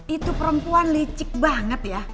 itu perempuan licik banget ya